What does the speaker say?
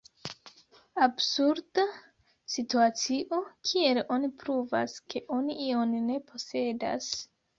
Absurda situacio: kiel oni pruvas, ke oni ion ne posedas?